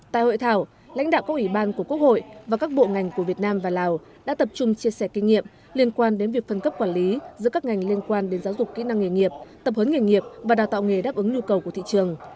tại hội thảo lãnh đạo các ủy ban của quốc hội và các bộ ngành của việt nam và lào đã tập trung chia sẻ kinh nghiệm liên quan đến việc phân cấp quản lý giữa các ngành liên quan đến giáo dục kỹ năng nghề nghiệp tập huấn nghề nghiệp và đào tạo nghề đáp ứng nhu cầu của thị trường